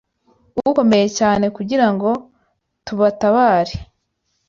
ukomeye cyane kugira ngo tubatabare